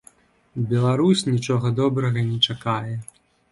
Беларусь нічога добрага не чакае.